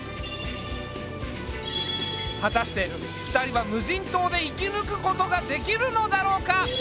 果たして２人は無人島で生き抜くことができるのだろうか？